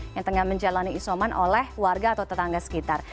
yang tengah menjalani isoman oleh warga atau tetangga sekitar